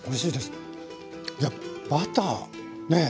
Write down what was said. いやバターねえ